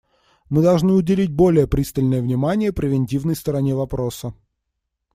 Мы должны уделить более пристальное внимание превентивной стороне вопроса.